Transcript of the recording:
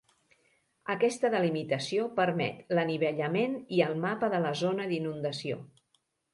Aquesta delimitació permet l'anivellament i el mapa de la zona d'inundació.